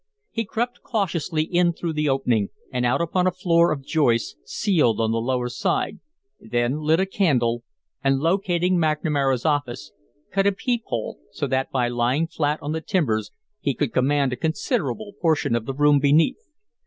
He crept cautiously in through the opening, and out upon a floor of joists sealed on the lower side, then lit a candle, and, locating McNamara's office, cut a peep hole so that by lying flat on the timbers he could command a considerable portion of the room beneath.